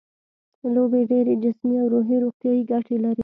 لوبې ډېرې جسمي او روحي روغتیايي ګټې لري.